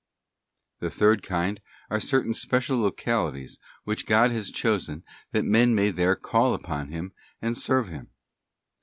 } The third kind are certain special localities which God has chosen that men may there call upon Him and serve Him.